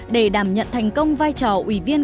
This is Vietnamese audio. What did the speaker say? để đảm nhận thành công vai trò ủy viên